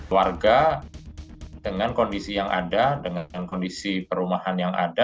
warga dengan kondisi yang ada dengan kondisi perumahan